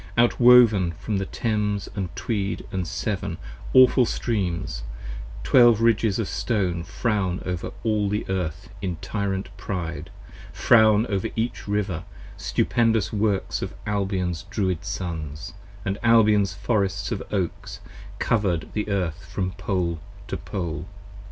20 Outwoven from Thames & Tweed & Severn, awful streams, Twelve ridges of Stone frown over all the Earth in tyrant pride, Frown over each River, stupendous Works of Albion's Druid Sons And Albion's Forests of Oaks cover'd the Earth from Pole to Pole.